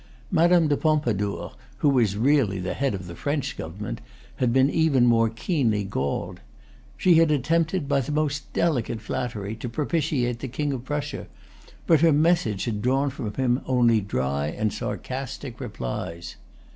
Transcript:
Madame de Pompadour, who was really the head of the French government, had been even more keenly galled. She had attempted, by the most delicate flattery, to propitiate the King of Prussia; but her messages had drawn from him only dry and sarcastic replies.